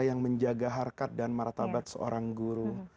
yang menjaga harkat dan martabat seorang guru